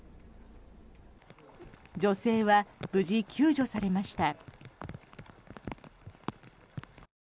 女性は無事、救助されました。